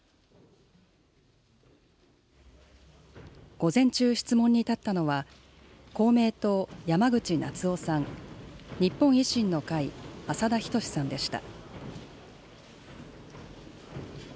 午前中質問に立ったのは、公明党、山口那津男さん、日本維新の会、浅田均さんでした。